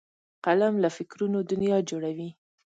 قلم له فکرونو دنیا جوړوي